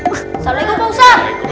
assalamualaikum pak ustadz